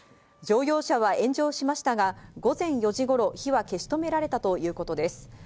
乗用車は炎上しましたが、午前４時頃、火は消し止められたということです。